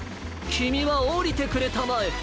きみはおりてくれたまえ。